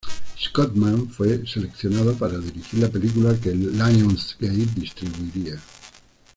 Scott Mann fue seleccionado para dirigir la película, que Lionsgate distribuiría.